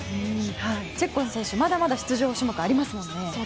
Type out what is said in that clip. チェッコン選手、まだまだ出場種目ありますもんね。